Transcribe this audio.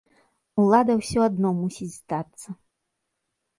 Улада ўсё адно мусіць здацца!